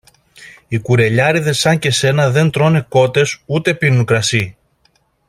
Οι κουρελιάρηδες σαν και σένα δεν τρώνε κότες ούτε πίνουν κρασί!